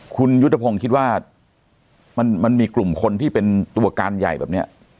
คุณยุทธพงศ์คิดว่ามันมีกลุ่มคนที่เป็นตัวการใหญ่แบบนี้